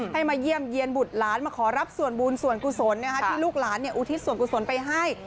มาเยี่ยมเยี่ยนบุตรหลานมาขอรับส่วนบุญส่วนกุศลที่ลูกหลานอุทิศส่วนกุศลไปให้